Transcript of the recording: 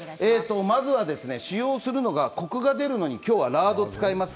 使用するのがコクが出るのにラードを使います。